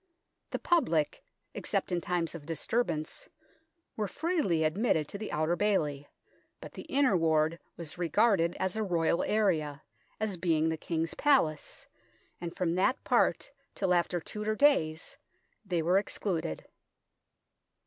The public, except in tunes of disturbance, were freely admitted to the Outer Bailey, but the Inner Ward was regarded as a Royal area, as being the King's Palace, and from that part till after Tudor days they were excluded.